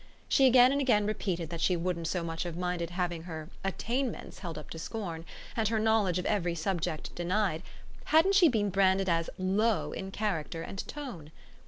She again and again repeated that she wouldn't so much have minded having her "attainments" held up to scorn and her knowledge of every subject denied, hadn't she been branded as "low" in character and tone.